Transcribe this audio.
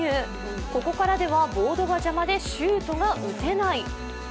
ここからではボードが邪魔でシュートが打てない。